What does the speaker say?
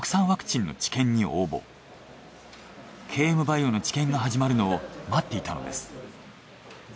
ＫＭバイオの治験が始まるのを待っていたのです。